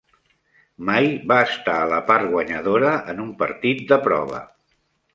Mai va estar a la part guanyadora en un partit de prova.